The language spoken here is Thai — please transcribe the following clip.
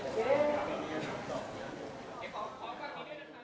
สวัสดีครับ